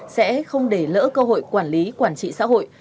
sẽ không để lỡ cơ hội quản lý quản trị xã hội